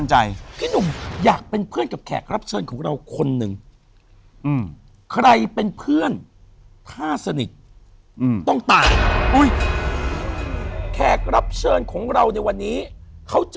จังเนี่ยก็ไม่ได้ว่าจังนะ